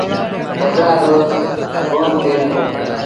ڪپڙآ با ڪونا پهرتو۔